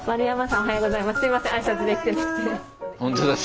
おはようございます。